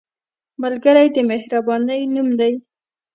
ملګری د مهربانۍ نوم دی